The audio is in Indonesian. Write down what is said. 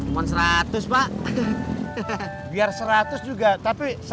monstratus pak biar seratus juga tapi seratus